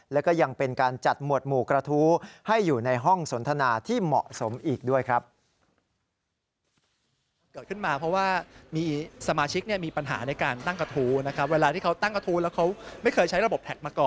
แล้วก็ยังเป็นการจัดหมวดหมู่กระทู้ให้อยู่ในห้องสนทนาที่เหมาะสมอีกด้วยครับ